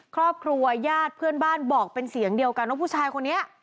ครอบครัวญาติเพื่อนบ้านบอกเป็นเสียงเดียวกันว่าผู้ชายคนนี้